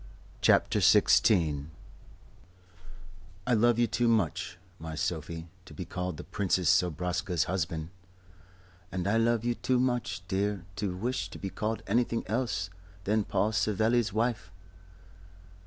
CHAPTER XVI "I LOVE you too much, my Sophie, to be called the Princess Zobraska's husband." "And I love you too much, dear, to wish to be called anything else than Paul Savelli's wife."